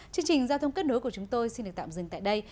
chương trình giao thông kết nối của chúng tôi xin được tạm dừng tại đây